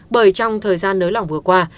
bởi trong thời gian nới lỏng vừa qua